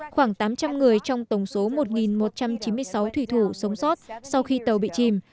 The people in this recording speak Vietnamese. khoảng tám trăm linh người trong tổng số một một trăm chín mươi sáu thủy thủ sống sót sau khi tàu bị chìm